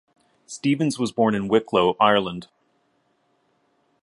Stephens was born in Wicklow, Ireland.